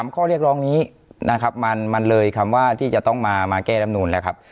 ข้อเรียกร้องนี้นะครับมันเลยคำว่าที่จะต้องมาแก้ลำนูนแล้วครับ